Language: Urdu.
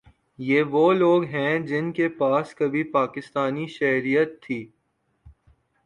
یہ وہ لوگ ہیں جن کے پاس کبھی پاکستانی شہریت تھی